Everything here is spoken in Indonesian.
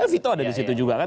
vito ada di situ juga kan